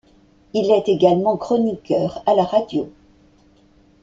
Il est également chroniqueur à la radio.